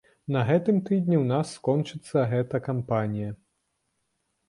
На гэтым тыдні у нас скончыцца гэта кампанія.